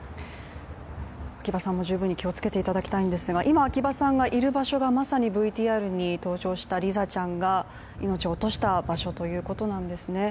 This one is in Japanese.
秋場さんも十分に気をつけていただきたいんですが秋場さんが今いる場所がまさにＶＴＲに登場したリザちゃんが命を落とした場所ということなんですね。